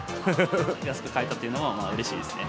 安く買えたというのも、うれしいですね。